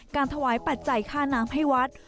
การถวายปัจจัยค่าน้ำให้วัด